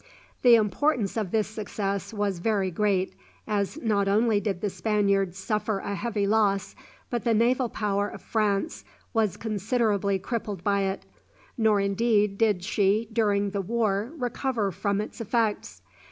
The importance of this success was very great, as not only did the Spaniards suffer a heavy loss, but the naval power of France was considerably crippled by it, nor indeed did she during the war recover from its effects.